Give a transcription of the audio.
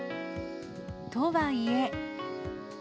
とはいえ。